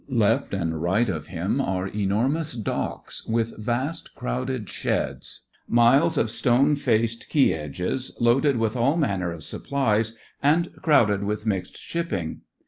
Left and right of him are enormous docks, with vast crowded sheds, miles of stone faced 84 THE FRINGES OF THE FLEET quay edges, loaded with all manner of supplies and crowded with mixed shipping.